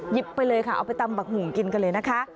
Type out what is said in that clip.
ไปเลยค่ะเอาไปตำบักหุ่งกินกันเลยนะคะ